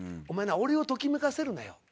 「お前な俺をときめかせるなよ」